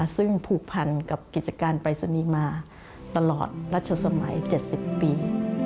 ซึ่งผูกพันกับกิจการปรายศนีย์มาตลอดรัชสมัย๗๐ปี